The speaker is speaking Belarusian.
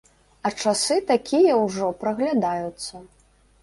А часы такія ўжо праглядаюцца.